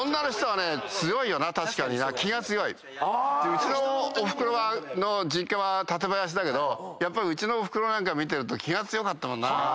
うちのおふくろの実家は館林だけどやっぱりうちのおふくろなんか見てると気が強かったもんな。